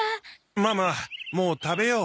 ママもう食べよう。